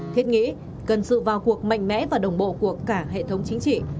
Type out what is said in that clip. thiết nghĩ cần sự vào cuộc mạnh mẽ và đồng bộ của cả hệ thống chính trị